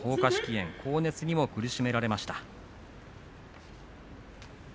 炎高熱にも苦しめられました。